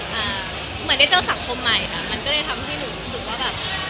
เหมือนได้เจอสังคมใหม่ค่ะมันก็เลยทำให้หนูรู้สึกว่าแบบ